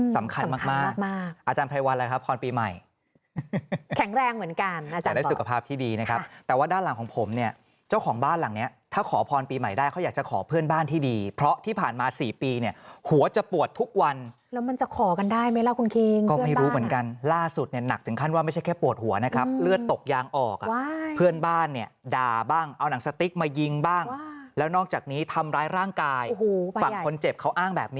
สำคัญมากอาจารย์ไพรวัลอะไรครับพรปีใหม่ครับ